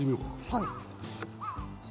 はい。